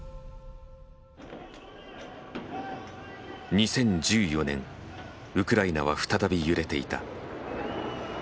２０１４年ウクライナは再び揺れていた。